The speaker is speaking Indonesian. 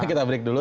kita break dulu